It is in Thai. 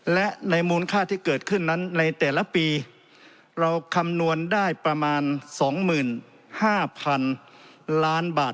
และในมูลค่าที่เกิดขึ้นนั้นในแต่ละปีเราคำนวณได้ประมาณ๒๕๐๐๐ล้านบาท